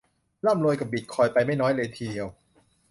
ร่ำรวยกับบิตคอยน์ไปไม่น้อยเลยทีเดียว